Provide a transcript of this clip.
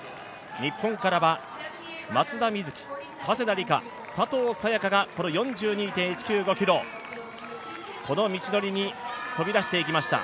日本からは松田瑞生、加世田梨花佐藤早也伽がこの４２．１９５ｋｍ、この道のりに飛び出していきました。